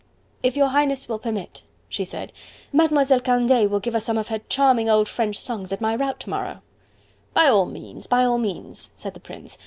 "If your Highness will permit," she said, "Mademoiselle Candeille will give us some of her charming old French songs at my rout to morrow." "By all means! By all means!" said the Prince.